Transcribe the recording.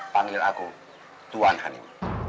panggil aku tuan hanim